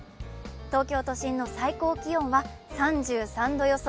東京都心の最高気温は３３度予想。